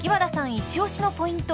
イチオシのポイント